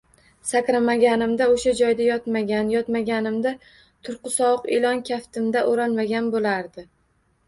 Sakramaganimda oʻsha joyda yotmagan, yotmaganimda turqi sovuq ilon kaftimga oʻralmagan bo'lardim.